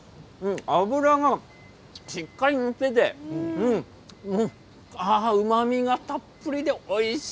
脂がしっかり乗っていてうまみがたっぷりです。